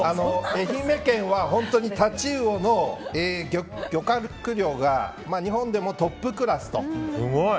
愛媛県は太刀魚の漁獲量が日本でもトップクラスと。